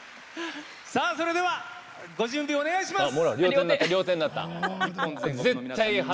それでは、ご準備をお願いします。